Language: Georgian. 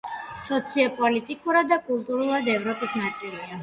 სოციოპოლიტიკურად და კულტურულად ევროპის ნაწილია.